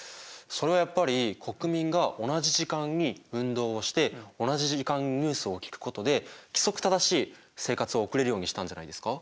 それはやっぱり国民が同じ時間に運動をして同じ時間にニュースを聞くことで規則正しい生活を送れるようにしたんじゃないですか？